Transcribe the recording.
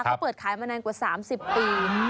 เขาเปิดขายมานานกว่า๓๐ปี